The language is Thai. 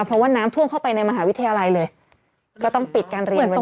เพราะว่าน้ำท่วมเข้าไปในมหาวิทยาลัยเลยก็ต้องปิดการเรียนไว้ก่อน